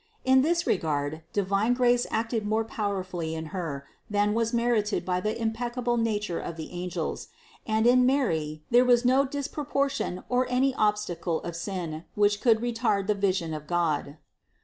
In this regard divine grace acted more power fully in Her, than was merited by the impeccable nature of the angels, and in Mary there was no disproportion nor any obstacle of sin, which could retard the vision of God.